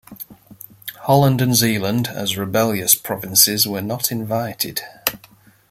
Holland and Zeeland, as rebellious provinces, were not invited.